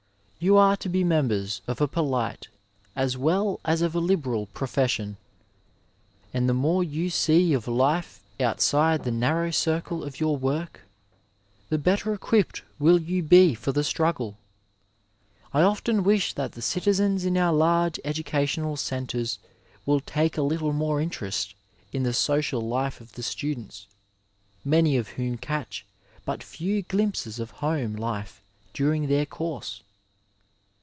You are to be memben of a polite as well as 212 Digitized byVjOOQlC ASTER TWENTY FIVE YEARS of a libenl pfofaMon and the more you see oi life oataide the narrow circle of your work the better equipped wiQ you be for the stnig^e. I often wish that the citizens in our large educational centres wotdd take a little more interest in the social life of the stadents^ many of whom catch but few ^impses of home life daring their course.